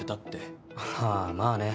ああまあね。